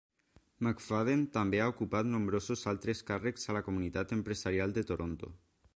McFadden també ha ocupat nombrosos altres càrrecs a la comunitat empresarial de Toronto.